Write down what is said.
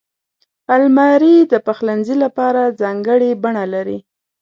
الماري د پخلنځي لپاره ځانګړې بڼه لري